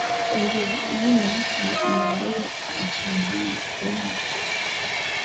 Wengine ni raia wa nchi nyingine wakiwemo watoto na jamaa wengine wa wapiganaji wa Dola la Kiislamu